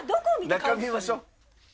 中見ましょう？